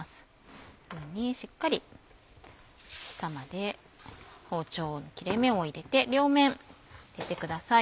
こういうふうにしっかり下まで包丁の切れ目を入れて両面入れてください。